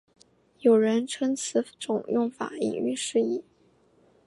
有人称此种用法引喻失义。